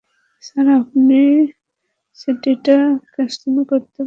Sir, আপনি সর্টিটা cancel করতে পারবেন, প্লিজ?